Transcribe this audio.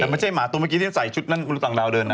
แต่ไม่ใช่หมาตัวเมื่อกี้ที่ใส่ชุดนั้นต่างดาวเดินนะ